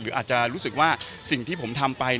อาจจะรู้สึกว่าสิ่งที่ผมทำไป